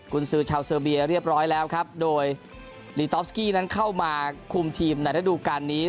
คุณซื้อชาวเซอร์เบียเรียบร้อยแล้วครับโดยลีตอฟสกี้นั้นเข้ามาคุมทีมในระดูการนี้